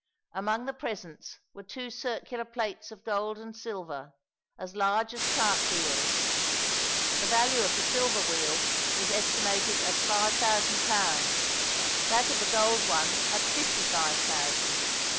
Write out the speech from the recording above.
Among the presents were two circular plates of gold and silver, as large as cartwheels the value of the silver wheel was estimated at five thousand pounds, that of the gold one at fifty five thousand.